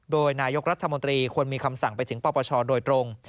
โดยนายกรัฐมนตรีควรมีคำสั่งไปถึงปปชโดยตรง